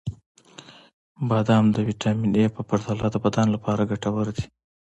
• بادام د ویټامین ای په پرتله د بدن لپاره ګټور دي.